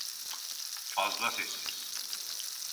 Fazla sessiz.